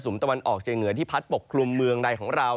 สูมตะวันออกเย็นเยือนที่พัดปกคลุมเมืองใดของเรา